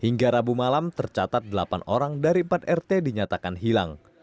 hingga rabu malam tercatat delapan orang dari empat rt dinyatakan hilang